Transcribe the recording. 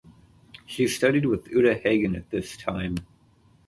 She studied with Uta Hagen at this time.